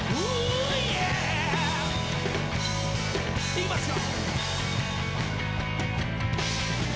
いきますよ。